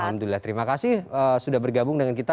alhamdulillah terima kasih sudah bergabung dengan kita